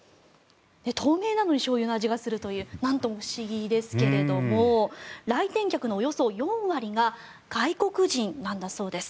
透明なのにしょうゆの味がするというなんとも不思議ですが来店客のおよそ４割が外国人なんだそうです。